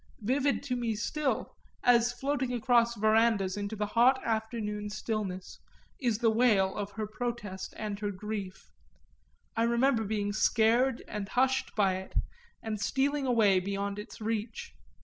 Vivid to me still, as floating across verandahs into the hot afternoon stillness, is the wail of her protest and her grief; I remember being scared and hushed by it and stealing away beyond its reach.